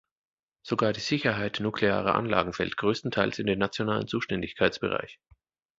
Sogar die Sicherheit nuklearer Anlagen fällt größtenteils in den nationalen Zuständigkeitsbereich.